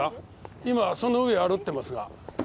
今その上歩いてますが。